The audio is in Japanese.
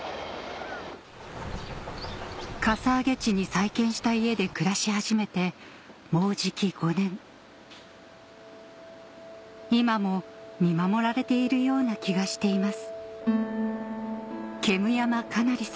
かさ上げ地に再建した家で暮らし始めてもうじき５年今も見守られているような気がしています